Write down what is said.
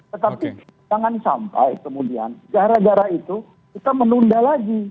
tetapi jangan sampai kemudian gara gara itu kita menunda lagi